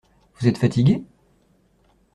Vous êtes fatigué ?